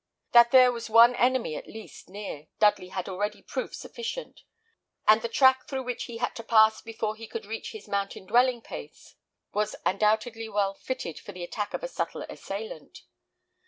That there was one enemy at least near, Dudley had already proof sufficient; and the tract through which he had to pass before he could reach his mountain dwelling place was undoubtedly well fitted for the attack of a subtle assailant.